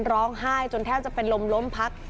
ร้องไห้จนแทบจะเป็นลมล้มพัก